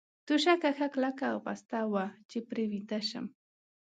توشکه ښه کلکه او پسته وه، چې پرې ویده شم.